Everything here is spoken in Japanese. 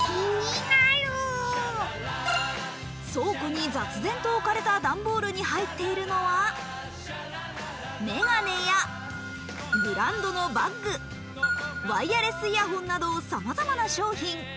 倉庫に雑然と置かれた段ボールに入っているのは眼鏡やブランドのバッグ、ワイヤレスイヤホンなどさまざまな商品。